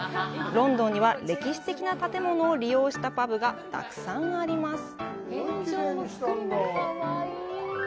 ロンドンには歴史的な建物を利用したパブがたくさんあります。